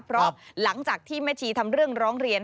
เพราะหลังจากที่แม่ชีทำเรื่องร้องเรียน